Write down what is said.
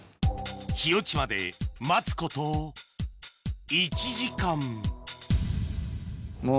日落ちまで待つこと１時間はい。